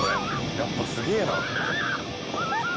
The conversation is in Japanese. やっぱすげえな。